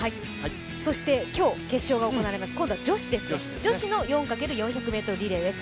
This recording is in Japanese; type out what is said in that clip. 今日、決勝が行われます女子の４×４００ｍリレーです。